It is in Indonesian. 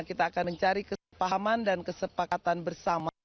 kita akan mencari kesepahaman dan kesepakatan bersama